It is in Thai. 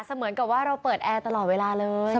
เหมือนกับว่าเราเปิดแอร์ตลอดเวลาเลย